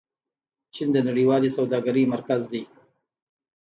چین د نړیوالې سوداګرۍ مرکز دی.